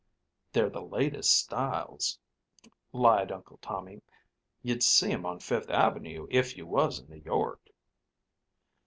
"They're the latest styles" lied Uncle Tommy. "You'd see 'em on Fifth Avenue, if you was in New York."